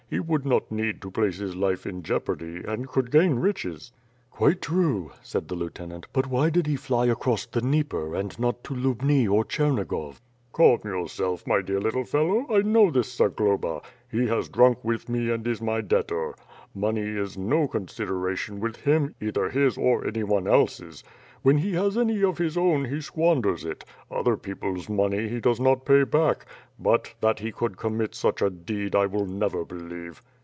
He would not need to place his life in jeopardy, and could gain riches." "Quite true," said the lieutenant, 'T)ut why did he fly across the Dnieper, and not to Lubni or Chernigov." "Calm yourself, my dear little fellow, I know this Zagloba. He has drunk with me and is my debtor. Money is no con 311 312 WITH FIRE AyD SWORD, sideration with him, either his own or anyone's else. When he has any of his own, he squanders it — other people's money he does not pay back; but, that he could commit such a deed, I will never believe."